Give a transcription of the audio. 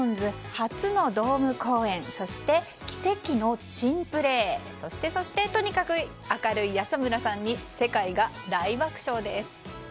初のドーム公演そして奇跡の珍プレーそしてとにかく明るい安村さんに世界が大爆笑です。